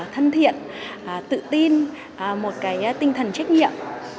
thân thiện tự tin một cái tinh thần trách nhiệm